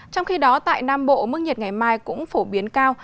trong khi đó tại nam bộ mức nhiệt ngày mai cũng phổ biến cao